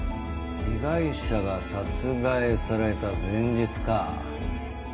被害者が殺害された前日か。